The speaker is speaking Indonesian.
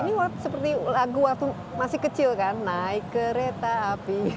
ini seperti lagu waktu masih kecil kan naik kereta api